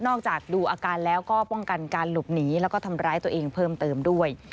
จากดูอาการแล้วก็ป้องกันการหลบหนีแล้วก็ทำร้ายตัวเองเพิ่มเติมด้วย